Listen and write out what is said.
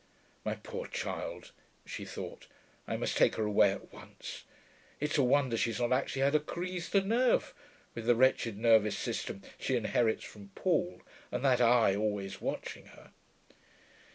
'My poor child,' she thought. 'I must take her away at once. It's a wonder she's not actually had a crise de nerfs, with the wretched nervous system she inherits from Paul, and that Eye always watching her....'